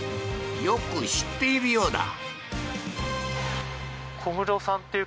よく知っているようだ。